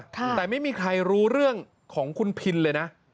แต่ไม่มีใครรู้เรื่องของคุณพินเลยนะ